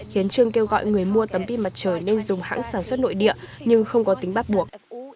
khiến trương kêu gọi người mua tấm pin mặt trời nên dùng hãng sản xuất nội địa nhưng không có tính bắt buộc